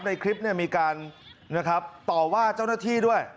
ในคลิปนี้มีการต่อว่าเจ้าหน้าที่ด้วย